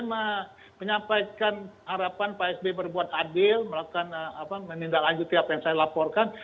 saya menyampaikan harapan pak sby berbuat adil melakukan menindaklanjuti apa yang saya laporkan